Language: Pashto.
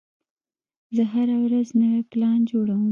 زه هره ورځ نوی پلان جوړوم.